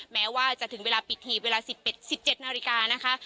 แม้ว่าจะถึงเวลาปิดหีบเวลา๑๗นาฬิกานะคะ